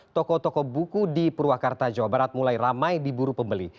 toko toko buku di purwakarta jawa barat mulai ramai diburu pembeli